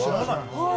はい。